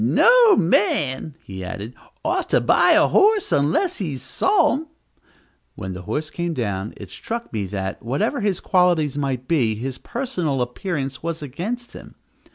"No man," he added, "ought to buy a horse unless he's saw him." When the horse came down, it struck me that, whatever his qualities might be, his personal appearance was against him.